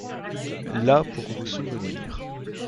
là pour vous souvenir!